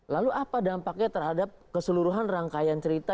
lalu apa dampaknya terhadap keseluruhan rangkaian cerita